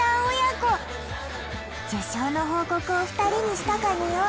受賞の報告を２人にしたかによ。